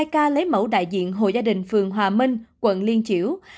một mươi hai ca lấy mẫu đại diện hội gia đình phường hòa minh quận liên chiểu